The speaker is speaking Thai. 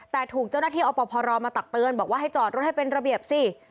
แต่ถูกเจ้าหน้าที่อพรมาตักเตือนบอกว่าให้จอดรถให้เป็นระเบียบสิ